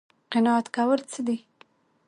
قناعت کول څه دي؟